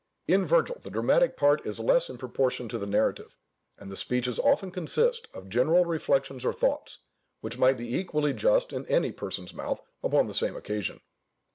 In Virgil the dramatic part is less in proportion to the narrative, and the speeches often consist of general reflections or thoughts, which might be equally just in any person's mouth upon the same occasion.